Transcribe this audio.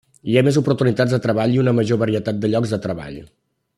Hi ha més oportunitats de treball i una major varietat de llocs de treball.